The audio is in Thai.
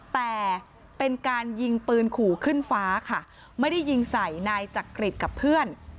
แต่เป็นการยิงปืนขู่ขึ้นฟ้าค่ะไม่ได้ยิงใส่นายจักริตกับเพื่อน